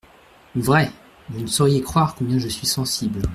Vrai, vous ne sauriez croire combien je suis sensible !